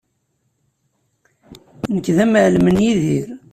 Nekk d amɛellem n Yidir.